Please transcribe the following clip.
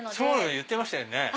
言ってましたよね。